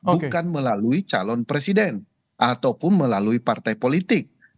bukan melalui calon presiden ataupun melalui partai politik